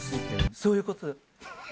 そういうこと。